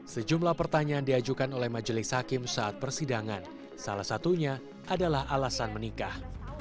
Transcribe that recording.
sejumlah pertanyaan diajukan oleh majelis hakim saat persidangan salah satunya adalah alasan menikah